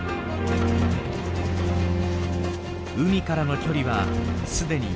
海からの距離はすでに４００ｍ。